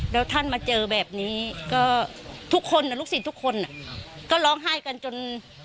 แล้วท่านมาเจอแบบนี้ก็ทุกคนลูกศิษย์ทุกคนก็ร้องไห้กันจน